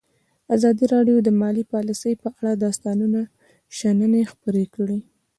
ازادي راډیو د مالي پالیسي په اړه د استادانو شننې خپرې کړي.